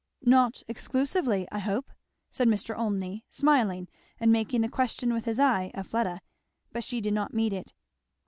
"Not exclusively, I hope?" said Mr. Olmney smiling, and making the question with his eye of Fleda. But she did not meet it.